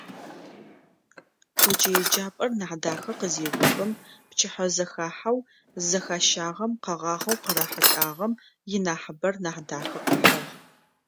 Къоджэ еджапӏэр Нахьдахэ къызеухым, пчыхьэзэхахьэу зэхащагъэм къэгъагъэу къырахьылӏагъэм инахьыбэр Нахьдахэ къыхьыгъ.